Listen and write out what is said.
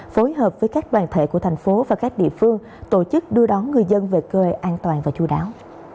phối hợp với các đoàn thể của thành phố và các địa phương tổ chức đưa đón người dân về quê an toàn và chú đáo